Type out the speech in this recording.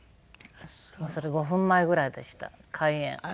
もうそれ５分前ぐらいでした開演。